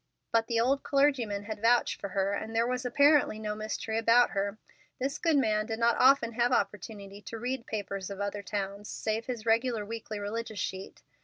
But the old clergyman had vouched for her, and there was apparently no mystery about her. This good man did not often have opportunity to read papers of other towns, save his regular weekly religious sheet.